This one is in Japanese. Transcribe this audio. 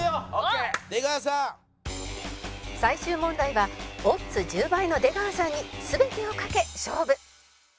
最終問題はオッズ１０倍の出川さんに全てを賭け勝負